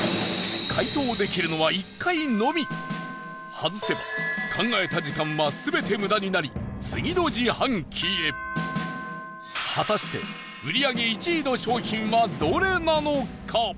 外せば考えた時間は全て無駄になり次の自販機へ果たして、売り上げ１位の商品は、どれなのか？